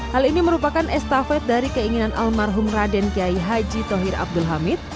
hal ini merupakan estafet dari keinginan almarhum raden kiai haji tohir abdul hamid